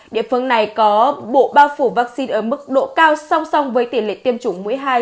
địa phương này có bộ bao phủ vaccine ở mức độ cao song song với tỷ lệ tiêm chủng mũi hai